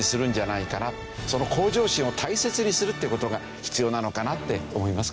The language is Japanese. その向上心を大切にするっていう事が必要なのかなって思いますけどね。